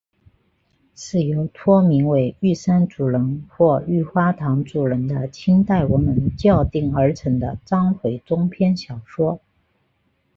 是由托名为玉山主人或玉花堂主人的清代文人校订而成的章回中篇小说。